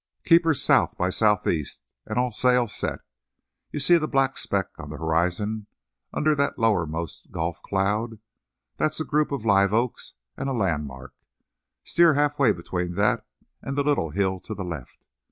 "Keep her sou' by sou'east, and all sail set. You see that black speck on the horizon under that lowermost Gulf cloud? That's a group of live oaks and a landmark. Steer halfway between that and the little hill to the left.